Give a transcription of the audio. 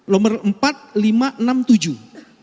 nomor empat lima enam tujuh